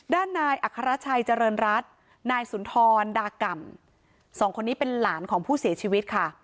ด้านนายอัครชัยเจริญรัฐนายสุนทรดาก่ำสองคนนี้เป็นหลานของผู้เสียชีวิตค่ะ